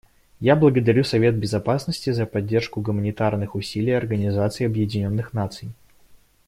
Я благодарю Совет Безопасности за поддержку гуманитарных усилий Организации Объединенных Наций.